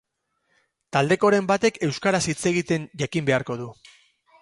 taldekoren batek euskaraz hitz egiten jakin beharko du